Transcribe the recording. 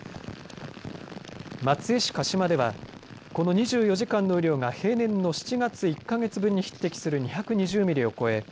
松江市鹿島ではこの２４時間の雨量が平年の７月１か月分に匹敵する２２０ミリを超え